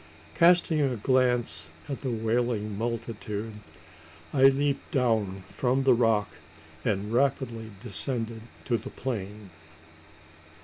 Casting a glance at the wailing multitude, I leaped down from the rock, and rapidly descended to the plain.